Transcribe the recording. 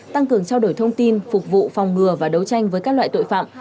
tăng cường trao đổi thông tin phục vụ phòng ngừa và đấu tranh với các loại tội phạm